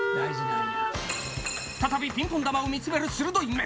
再びピンポン球を見つめる鋭い目。